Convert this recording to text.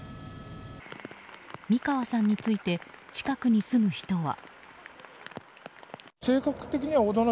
三川さんについて近くに住む人は。